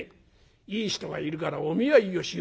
いい人がいるからお見合いをしよう』ってんだ。